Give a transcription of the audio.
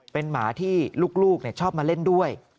เป็นหมาที่ลูกชอบมาเล่นด้วย